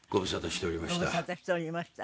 ご無沙汰しておりました。